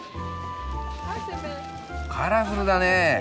カラフルだねえ！